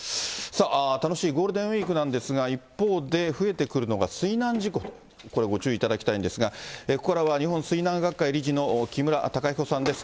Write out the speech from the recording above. さあ楽しいゴールデンウィークなんですが、一方で、増えてくるのが、水難事故、これ、ご注意いただきたいんですが、ここかは日本水難学会理事の木村隆彦さんです。